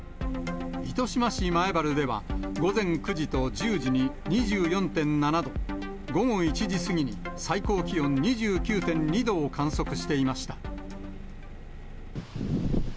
糸島市前原では、午前９時と１０時に２４．７度、午後１時過ぎに最高気温２９．２度を観測していました。